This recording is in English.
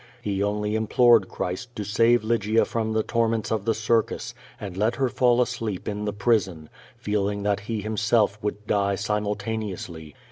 He only implored Christ to save Lygia from the torments of the circus, and let her fall asleep in the prison, feeling that he himself would die simultaneously.